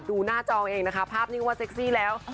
หน้าจอเองนะคะภาพนี้ก็ว่าเซ็กซี่แล้ว